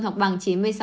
hoặc bằng chín mươi sáu